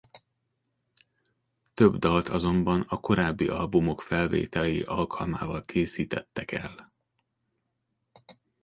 Több dalt azonban a korábbi albumok felvételei alkalmával készítettek el.